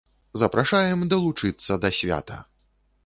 Запрашаем далучыцца да свята!